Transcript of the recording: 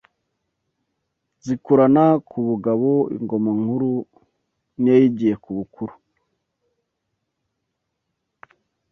Zikurana ku bugabo Ingoma nkuru n’iyayigiye ku bukuru